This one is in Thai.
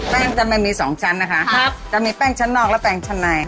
แป้งจะไม่มีสองชั้นนะคะครับจะมีแป้งชั้นนอกและแป้งชั้นใน